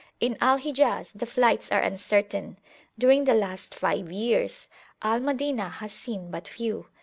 In Al Hijaz the flights are uncertain; during the last five years Al Madinah has seen but few.